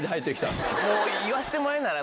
言わせてもらえるなら。